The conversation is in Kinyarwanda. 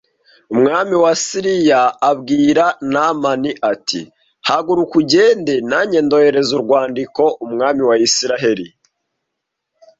Umwami wa Siriya abwira Namani ati haguruka ugende nanjye ndoherereza urwandiko umwami wa Isirayeli